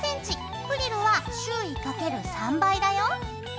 フリルは周囲×３倍だよ。